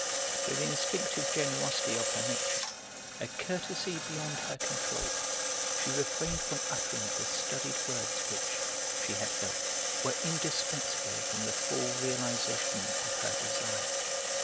With the instinctive generosity of her nature, a courtesy beyond her control, she refrained from uttering the studied words which, she had felt, were indispensable for the full realisation of her desire.